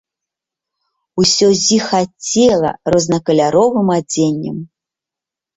Усё зіхацела рознакаляровым адзеннем.